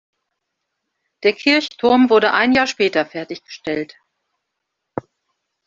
Der Kirchturm wurde ein Jahr später fertiggestellt.